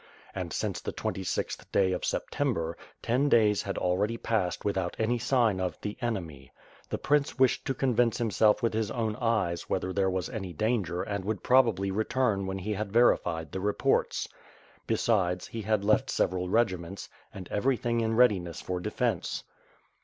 And since the twenty sixth day of September, ten days had already passed without any sign of the enemy. The prince wished to convince himself with his own eyes whether there was any danger and would probably return when he had verified the reports. Besides, he had left several regiments, and everything in readiness for defence.